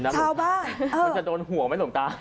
เผาป่ะมันจะโดนหัวไหมหลงตา